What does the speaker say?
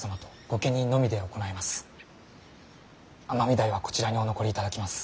尼御台はこちらにお残りいただきます。